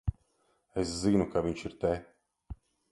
Es zinu, ka viņš ir te.